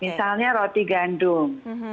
misalnya roti gandum